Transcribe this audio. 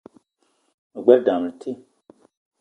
Me gbelé dam le te